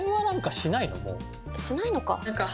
しないのか。